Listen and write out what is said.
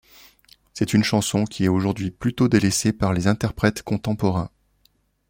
C'est une chanson qui est aujourd'hui plutôt délaissée par les interprètes contemporains.